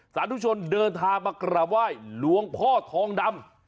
สาธุชนเดินทางมากราบไหว้หลวงพ่อทองดำ